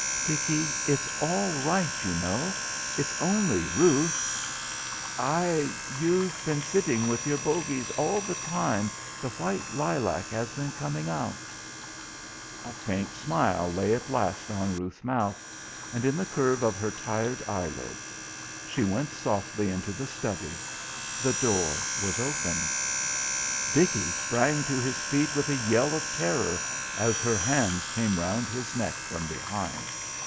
"Dickie, it's all right, you know it's only Ruth I You've been sitting with your bogies all the time the white lilac has been coming out " A faint smile lay at last on Ruth's mouth, and in the curve of her tired eyelids. She went softly into the study. The door was open.... Dickie sprang to his feet with a yell of terror as her hands came round his neck from behind.